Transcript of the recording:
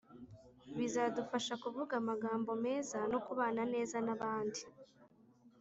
Bizadufasha kuvuga amagambo meza no kubana neza n abandi